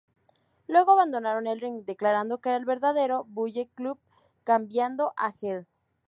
Luego abandonaron el ring declarando que eran el verdadero Bullet Club, cambiando a heel.